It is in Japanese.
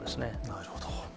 なるほど。